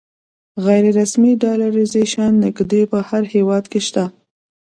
غیر رسمي ډالرایزیشن نږدې په هر هېواد کې شته.